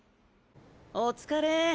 お疲れ。